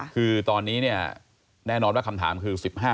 คือตอนนี้แน่นอนว่าคำถามคือ๑๕ปีกว่า